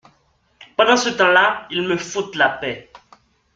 Pendant ce temps-là, ils me foutent la paix.